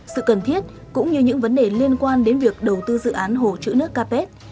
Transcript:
sự cần thiết cũng như những vấn đề liên quan đến việc đầu tư dự án hồ chứa nước capet